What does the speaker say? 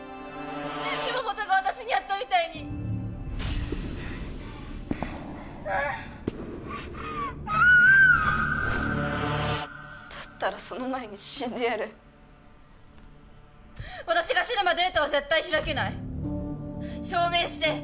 山本が私にやったみたいにだったらその前に死んでやる私が死ねばデータは絶対開けない証明して！